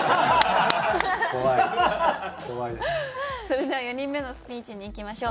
それでは４人目のスピーチにいきましょう。